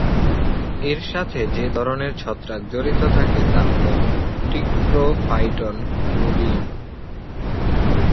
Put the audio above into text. এর সাথে যে ধরনের ছত্রাক জড়িত থাকে তা হল "ট্রিকোফাইটন রুবিম"।